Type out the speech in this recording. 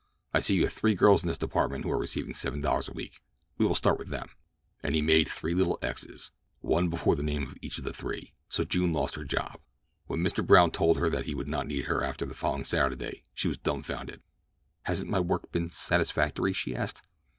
I see you have three girls in this department who are receiving seven dollars a week—we will start with them." And he made three little x's—one before the name of each of the three. So June lost her job. When Mr. Brown told her that he would not need her after the following Saturday she was dumfounded. "Hasn't my work been satisfactory?" she asked.